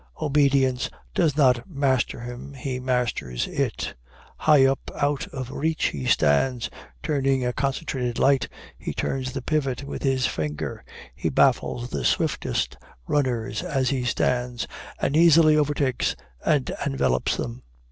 Obedience does not master him, he masters it. High up out of reach he stands, turning a concentrated light he turns the pivot with his finger he baffles the swiftest runners as he stands, and easily overtakes and envelopes them.